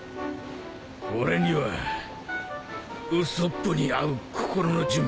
俺にはウソップに会う心の準備が。